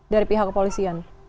dari pihak kepolisian